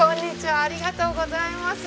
ありがとうございます